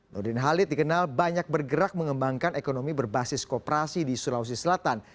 nurdin halid dikenal banyak bergerak mengembangkan ekonomi berbasis kooperasi di sulawesi selatan